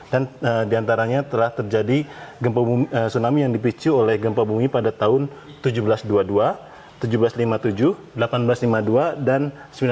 dan di antaranya telah terjadi tsunami yang dipicu oleh gempa bumi pada tahun seribu tujuh ratus dua puluh dua seribu tujuh ratus lima puluh tujuh seribu delapan ratus lima puluh dua dan seribu sembilan ratus lima puluh delapan